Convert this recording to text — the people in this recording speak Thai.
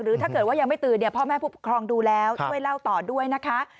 ถ้าเกิดว่ายังไม่ตื่นเนี่ยพ่อแม่ผู้ปกครองดูแล้วช่วยเล่าต่อด้วยนะคะ